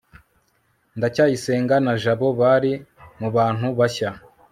ndacyayisenga na jabo bari mubantu bashya